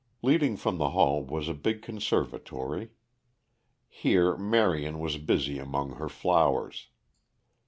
Leading from the hall was a big conservatory. Here Marion was busy among her flowers.